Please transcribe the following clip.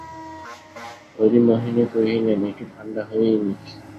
হরিমোহিনী কহিলেন, একটু ঠাণ্ডা হয়েই নিক।